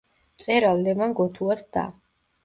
მწერალ ლევან გოთუას და.